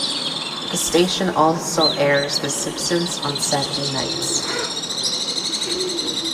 The station also airs "The Simpsons" on Saturday nights.